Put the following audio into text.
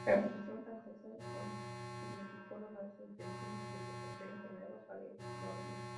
La represión francesa significó numerosas detenciones y deportaciones a Nueva Caledonia.